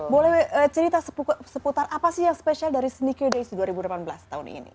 boleh cerita seputar apa sih yang spesial dari sneake days dua ribu delapan belas tahun ini